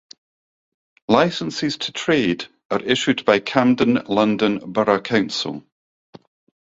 Licences to trade are issued by Camden London Borough Council.